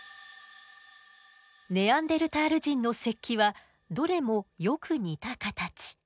ネアンデルタール人の石器はどれもよく似た形。